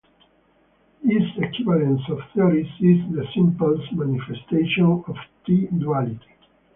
This equivalence of theories is the simplest manifestation of T-duality.